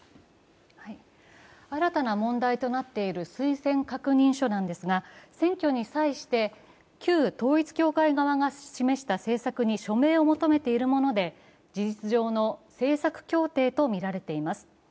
新たな問題となっている推薦確認書なんですが選挙に際して旧統一教会側が示した政策に署名を求めているもので事実上の政策協定とみられています。